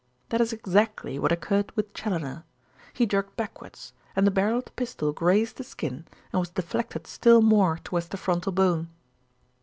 That is exactly what occurred with Challoner. He jerked backwards, and the barrel of the pistol grazed the skin and was deflected still more towards the frontal bone."